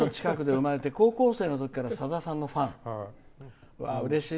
薬師寺の近くで生まれ高校生のときからさださんのファン。